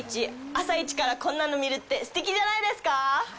朝イチからこんなの見るってすてきじゃないですか？